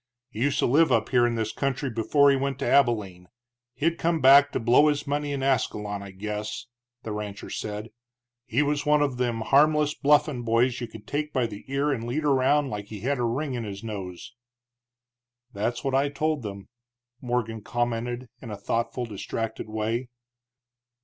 "He used to live up here in this country before he went to Abilene; he'd come back to blow his money in Ascalon, I guess," the rancher said. "He was one of them harmless bluffin' boys you could take by the ear and lead around like he had a ring in his nose." "That's what I told them," Morgan commented, in thoughtful, distracted way.